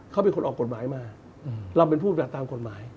เขาเป็นคนออกกฎหมายมาเราเป็นผู้ปฏิบัติตามกฎหมาย